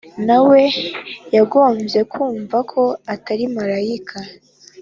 na we yagombye kumva ko atari marayika,